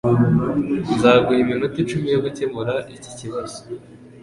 Nzaguha iminota icumi yo gukemura iki kibazo.